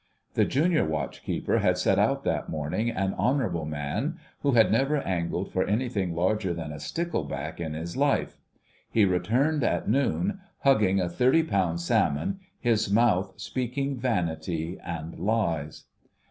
The Junior Watch keeper had set out that morning an honourable man, who had never angled for anything larger than a stickleback in his life. He returned at noon hugging a thirty pound salmon, his mouth speaking vanity and lies.